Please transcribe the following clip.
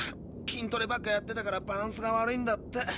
筋トレばっかやってたからバランスが悪いんだって。